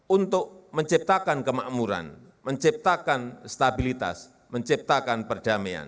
untuk menciptakan kemakmuran menciptakan stabilitas menciptakan perdamaian